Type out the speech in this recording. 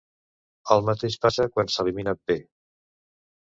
El mateix passa quan s'elimina B.